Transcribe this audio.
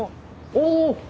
おお！